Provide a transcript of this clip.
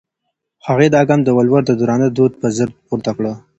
هغې دا ګام د ولور د درانه دود پر ضد پورته کړ.